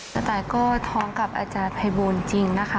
กะไตก็ท้องกับอาจารย์ไพบูลจริงนะคะ